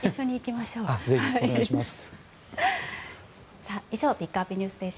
ぜひ、お願いします。